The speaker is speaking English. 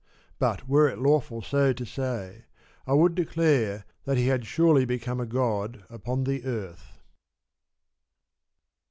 But were it lawful so to say, I would declare that he had surely become a God upon the earth.